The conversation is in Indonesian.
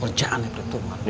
kerjaan yang betul mak